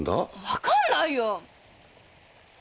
分かんないよ。